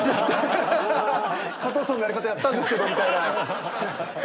加藤さんのやり方やったんですけどみたいな。